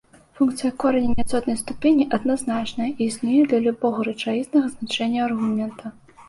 Функцыя кораня няцотнай ступені адназначная і існуе для любога рэчаіснага значэння аргумента.